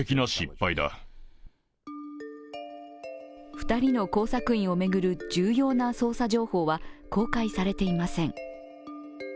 ２人の工作員を巡る重要な捜査情報は公開されていません。